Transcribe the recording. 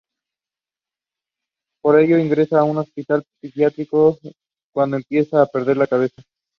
Children with foreign passports are permitted to attend any public school in Shanghai.